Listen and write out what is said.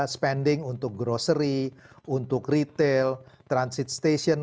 spending untuk grocery untuk retail transit station